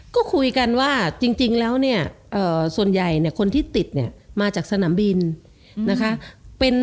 ก็คุยกันว่าจริงแล้วเนี่ยส่วนใหญ่เนี่ยคนที่ติดเนี่ยมาจากสนามบินนะคะ